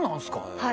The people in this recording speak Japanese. はい。